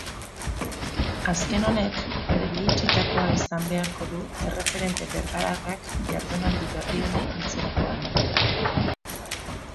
Azken honek erdietsitakoa izan beharko du erreferente bergararrak jardunaldi berri honi heltzerakoan.